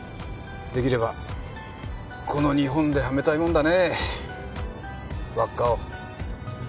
できればこの日本ではめたいもんだねぇ輪っかを。